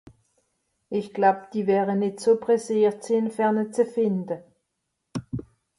Ìch gläub, die wäre nìtt so presseert sìn, fer ne ze fìnde.